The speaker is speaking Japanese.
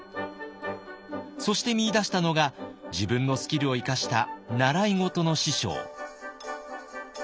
そして見いだしたのが自分のスキルを生かした習い事の師匠。